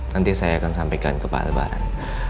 nanti saya akan sampaikan ke pak albaran